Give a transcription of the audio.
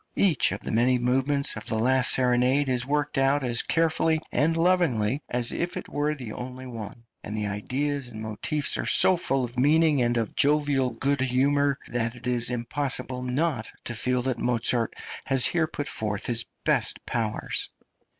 Each of the many movements of the last serenade is worked out as carefully and lovingly as if it were the only one, and the ideas and motifs are so full of meaning and of jovial good humour that it is impossible not to feel that Mozart has here put forth his best powers.